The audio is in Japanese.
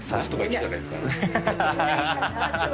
アハハハ。